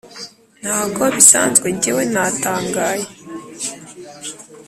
ntago bisanzwe njyewe natangaye